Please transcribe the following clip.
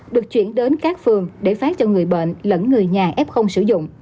được chuyển đến các phường để phát cho người bệnh lẫn người nhà f sử dụng